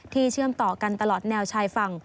เชื่อมต่อกันตลอดแนวชายฝั่ง